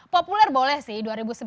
populer boleh sih dua ribu sembilan belas